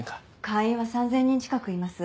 会員は３０００人近くいます。